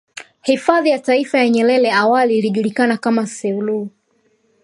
Hifadhi ya Taifa ya Nyerere awali ikijulikana kama selou